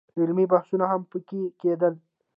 علمي بحثونه هم په کې کېدل.